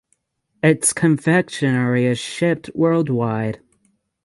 Its confectionery is shipped worldwide.